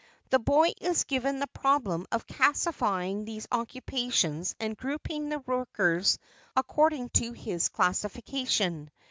The boy is given the problem of classifying these occupations and grouping the workers according to his classification.